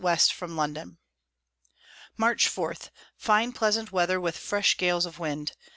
West from London. March 4. Fine pleasant Weather, with fresh Gales of Wind.